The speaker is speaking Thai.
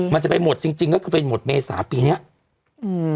มันจะไปหมดจริงจริงก็คือไปหมดเมษาปีเนี้ยอืม